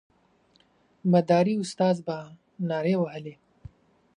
مداري استاد به نارې وهلې.